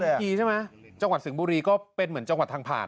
ทีใช่ไหมจังหวัดสิงห์บุรีก็เป็นเหมือนจังหวัดทางผ่าน